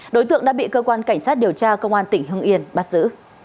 đối tượng đã bị cơ quan cảnh sát điều tra công an tỉnh hưng yên bắt giữ